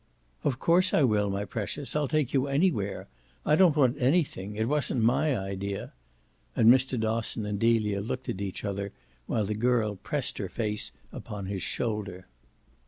"Of course I will, my precious. I'll take you anywhere. I don't want anything it wasn't MY idea!" And Mr. Dosson and Delia looked at each other while the girl pressed her face upon his shoulder.